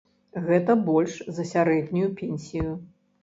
Гэта больш за сярэднюю пенсію!